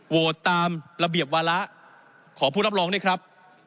โหวตตามระเบียบวาระขอผู้รับรองได้ครับ